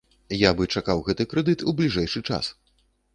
Я бы чакаў гэты крэдыт у бліжэйшы час.